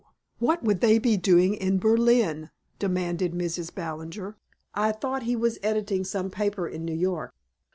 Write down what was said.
What would they be doing in Berlin?" demanded Mrs. Ballinger. "I thought he was editing some paper in New York."